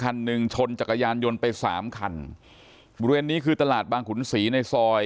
คันหนึ่งชนจักรยานยนต์ไปสามคันบริเวณนี้คือตลาดบางขุนศรีในซอย